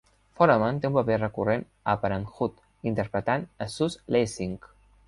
Foreman té un paper recorrent a "Parenthood" interpretant a Suze Lessing.